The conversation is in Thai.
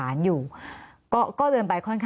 มันเป็นอาหารของพระราชา